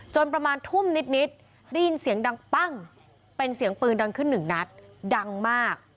ประมาณทุ่มนิดได้ยินเสียงดังปั้งเป็นเสียงปืนดังขึ้นหนึ่งนัดดังมาก